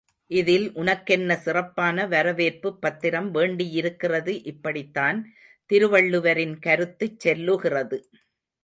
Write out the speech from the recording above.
இதில் உனக்கென்ன சிறப்பான வரவேற்புப் பத்திரம் வேண்டியிருக்கிறது? இப்படித்தான் திருவள்ளுவரின் கருத்துச் செல்லுகிறது.